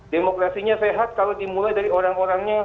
demokrasinya sehat kalau dimulai dari orang orangnya